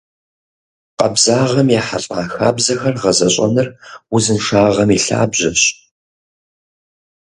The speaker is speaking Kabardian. Къабзагъэм ехьэлӏа хабзэхэр гъэзэщӏэныр узыншагъэм и лъабжьэщ.